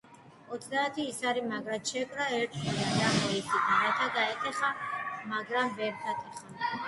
ოცდაათი ისარი, მაგრად შეკრა ერთ კონად და მოზიდა, რათა გაეტეხა, მაგრამ ვერ გატეხა.